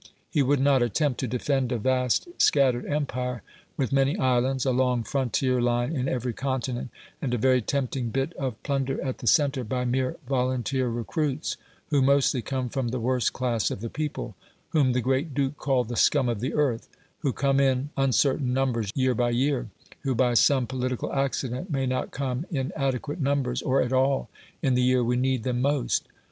He would not attempt to defend a vast scattered empire, with many islands, a long frontier line in every continent, and a very tempting bit of plunder at the centre, by mere volunteer recruits, who mostly come from the worst class of the people whom the Great Duke called the "scum of the earth" who come in uncertain numbers year by year who by some political accident may not come in adequate numbers, or at all, in the year we need them most.